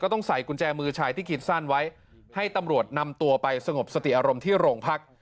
ต้องใส่กุญแจมือชายที่คิดสั้นไว้ให้ตำรวจนำตัวไปสงบสติอารมณ์ที่โรงพัก